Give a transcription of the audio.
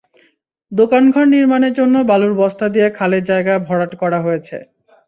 দোকানঘর নির্মাণের জন্য বালুর বস্তা দিয়ে খালের জায়গা ভরাট করা হয়েছে।